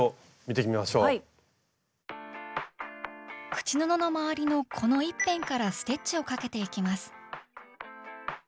口布の周りのこの１辺からステッチをかけていきます。